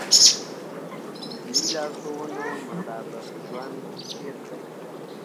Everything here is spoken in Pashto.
د دیني لارښوونو مطابق ژوند تېر کړئ.